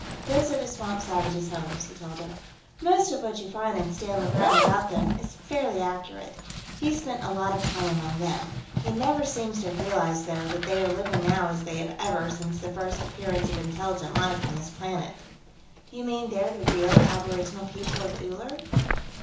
"Those are the swamp savages' homes," he told her. "Most of what you find in Stanley Browne about them is fairly accurate. He spent a lot of time among them. He never seems to have realized, though, that they are living now as they have ever since the first appearance of intelligent life on this planet." "You mean, they're the real aboriginal people of Uller?"